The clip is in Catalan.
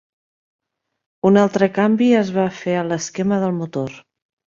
Un altre canvi es va fer a l"esquema del motor.